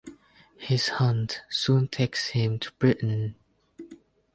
His hunt soon takes him to Britain.